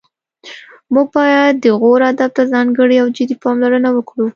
موږ باید د غور ادب ته ځانګړې او جدي پاملرنه وکړو